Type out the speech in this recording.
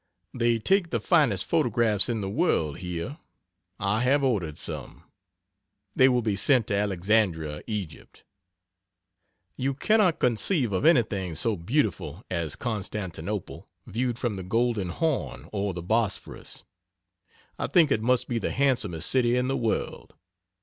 They take the finest photographs in the world here. I have ordered some. They will be sent to Alexandria, Egypt. You cannot conceive of anything so beautiful as Constantinople, viewed from the Golden Horn or the Bosphorus. I think it must be the handsomest city in the world.